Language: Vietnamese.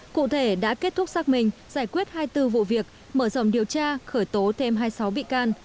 cụ thể đã kết thúc xác minh giải quyết hai mươi bốn vụ việc mở rộng điều tra khởi tố thêm hai mươi sáu bị can